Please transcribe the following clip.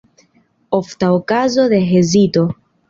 Ofta okazo de hezito.